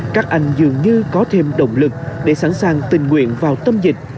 các anh dường như có thêm động lực để sẵn sàng tình nguyện vào tâm dịch